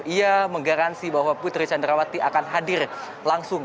ia menggaransi bahwa putri candrawati akan hadir langsung